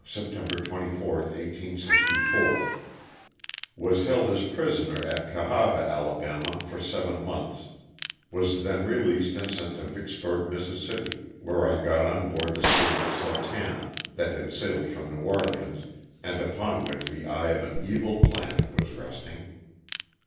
September 24, 1864. Was held as prisoner at Cahaba, Ala,, for seven months; was then released and sent to Vicksburg, Miss., where I got on board the steamer *' Sultana," that had sailed from New Orleans, and upon which the eye of an evil planet was resting.